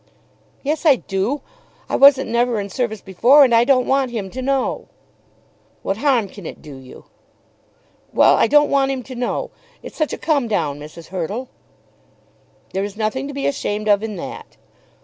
"Yes I do. I wasn't never in service before, and I don't want him to know." "What harm can it do you?" "Well, I don't want him to know. It is such a come down, Mrs. Hurtle." "There is nothing to be ashamed of in that.